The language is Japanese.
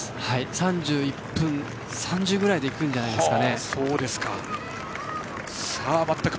３１分３０ぐらいで行くんじゃないですか。